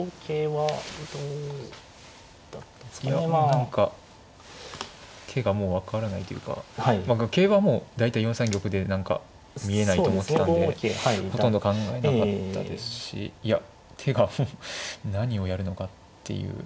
何か手がもう分からないというか桂はもう大体４三玉で何か見えないと思ってたんでほとんど考えなかったですしいや手がもう何をやるのかっていう。